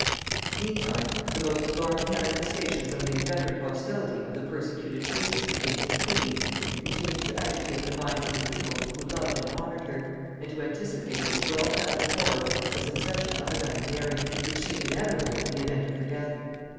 Meantime, the most alarming manifestations of the inveterate hostility of the persecuted papists against the queen, continued to agitate the minds of a people who loved and honored her; and who anticipated with well founded horror the succession of another Mary, which seemed inevitable in the event of her death.